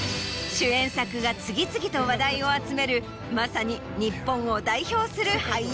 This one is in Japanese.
主演作が次々と話題を集めるまさに日本を代表する俳優。